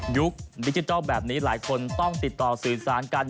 ดิจิทัลแบบนี้หลายคนต้องติดต่อสื่อสารกัน